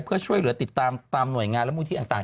เพื่อช่วยเหลือติดตามตามหน่วยงานและมูลที่ต่าง